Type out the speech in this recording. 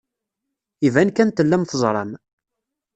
Iban kan tellam teẓram.